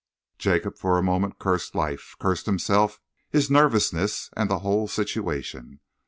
Jacob for a moment cursed life, cursed himself, his nervousness, and the whole situation.